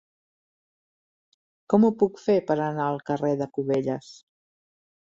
Com ho puc fer per anar al carrer de Cubelles?